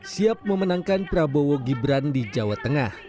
siap memenangkan prabowo gibran di jawa tengah